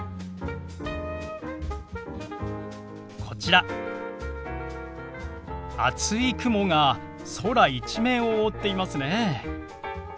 こちら厚い雲が空一面を覆っていますね。